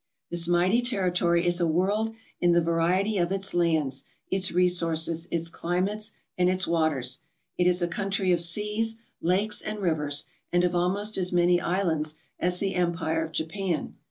This mighty territory is a world in the variety of its lands, its resources, its climates, and its waters. It is a country of seas, lakes, and rivers and of almost as many islands as the empire of Japan.